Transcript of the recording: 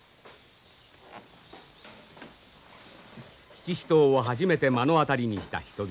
七支刀を初めて目の当たりにした人々。